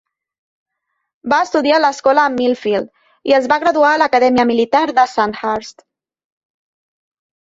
Va estudiar a l'escola Millfield i es va graduar a l'acadèmia militar de Sandhurst.